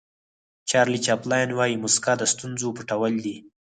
چارلي چاپلین وایي موسکا د ستونزو پټول دي.